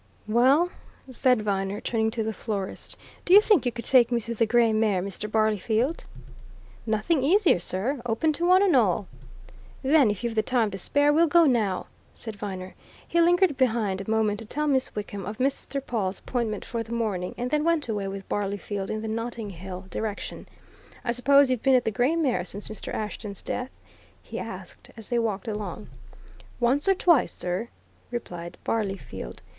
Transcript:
"Well," said Viner, turning to the florist, "do you think you could take me to the Grey Mare, Mr. Barleyfield?" "Nothing easier, sir open to one and all!" "Then, if you've the time to spare, we'll go now," said Viner. He lingered behind a moment to tell Miss Wickham of Mr. Pawle's appointment for the morning, and then went away with Barleyfield in the Notting Hill direction. "I suppose you've been at the Grey Mare since Mr. Ashton's death?" he asked as they walked along. "Once or twice, sir," replied Barleyfield.